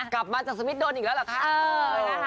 กลับมาจากสริมมิตรโดนอีกแล้วละคะ